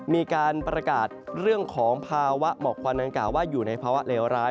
มีการประกาศเรื่องของภาวะหมอกควันดังกล่าวว่าอยู่ในภาวะเลวร้าย